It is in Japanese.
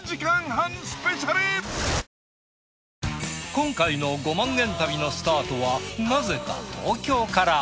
今回の「５万円旅」のスタートはなぜか東京から。